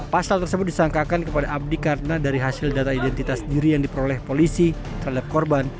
pasal tersebut disangkakan kepada abdi karena dari hasil data identitas diri yang diperoleh polisi terhadap korban